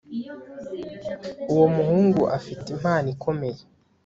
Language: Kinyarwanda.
uwo muhungu afite impano ikomeye